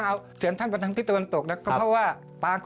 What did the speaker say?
อ๋อออกไปอีก